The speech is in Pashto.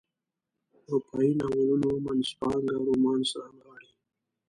اروپایي ناولونو منځپانګه رومانس رانغاړي.